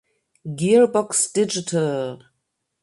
Gearbox Digital